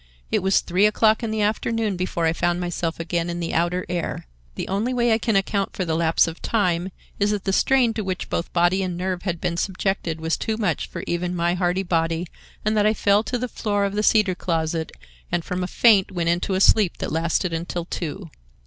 It was three o'clock in the afternoon before I found myself again in the outer air. The only way I can account for the lapse of time is that the strain to which both body and nerve had been subjected was too much for even my hardy body and that I fell to the floor of the cedar closet and from a faint went into a sleep that lasted until two.